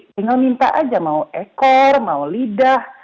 tinggal minta aja mau ekor mau lidah